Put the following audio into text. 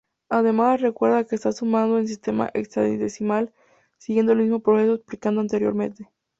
Además, recuerda que estás sumando en sistema hexadecimal, siguiendo el mismo proceso explicado anteriormente.